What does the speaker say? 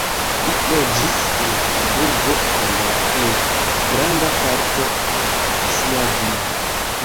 Li loĝis en Hamburgo dum la plej granda parto de sia vivo.